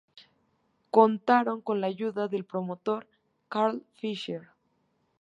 Contaron con la ayuda del promotor Carl Fischer.